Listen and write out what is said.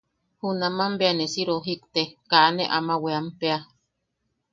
Junaman bea ne si rojikte, kaa ne ama weampea.